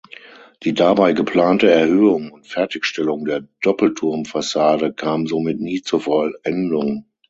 Die dabei geplante Erhöhung und Fertigstellung der Doppelturmfassade kam somit nie zur Vollendung.